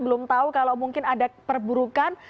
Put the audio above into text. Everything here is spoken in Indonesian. belum tahu kalau mungkin ada perburukan